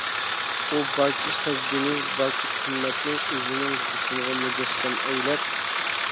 ئۇ بارچە سەزگۈنى، بارچە قىممەتنى، ئۆزىنىڭ جىسمىغا مۇجەسسەم ئەيلەپ.